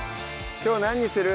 きょう何にする？